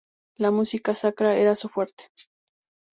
La música sacra era su fuerte.